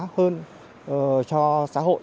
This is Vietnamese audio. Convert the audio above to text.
hơn cho xã hội